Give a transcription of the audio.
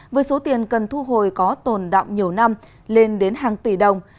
với số tiền cần thu hồi có tồn đọng nhiều năm lên đến hàng tỷ đồng